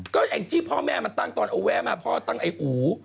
ก็แองจี้พ่อแม่มันตั้งตอนเอาแวะมาพ่อตั้งไอ้อู